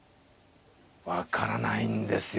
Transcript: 分からないんですよ。